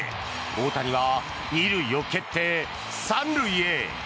大谷は２塁を蹴って３塁へ。